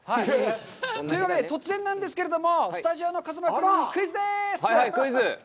というわけで、突然なんですけれども、スタジオの風間君にクイズです。